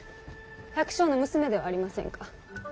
百姓の娘ではありませんか。